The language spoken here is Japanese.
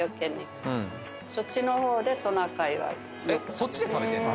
そっちで食べてんの？